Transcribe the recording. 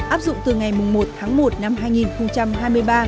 áp dụng từ ngày một tháng một năm hai nghìn hai mươi ba